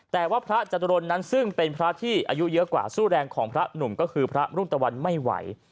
แต่ว่าพระจตุรนนั้นซึ่งเป็นพระที่อายุเยอะกว่าสู้แรงของพระหนุ่มก็คือพระรุ่งตะวันไม่ไหว